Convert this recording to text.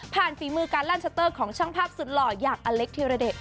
ผ่านฝีมือการลั่นชัตเตอร์ของช่างภาพสุดหล่อยอย่างอเล็กที่ระเด็ก